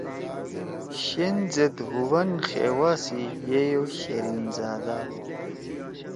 شین زید ہُوبن خیوا سی یِئی او شرین زادا